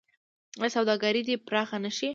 آیا سوداګري دې پراخه نشي؟